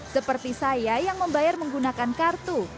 seperti saya yang membayar menggunakan kartu